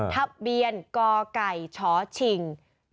ทะเบียนกไก่ชชิง